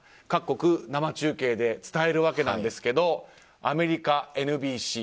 各国、生中継で伝えるわけなんですけどアメリカ、ＮＢＣ